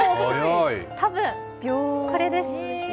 多分これです。